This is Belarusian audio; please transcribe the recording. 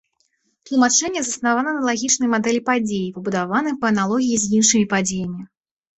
Тлумачэнне заснавана на лагічнай мадэлі падзеі, пабудаванай па аналогіі з іншымі падзеямі.